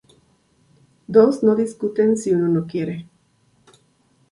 Dos no discuten si uno no quiere